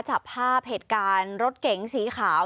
จับภาพเผ็ดการรถเก่งสีขาว